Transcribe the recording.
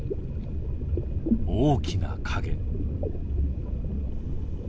大きな影。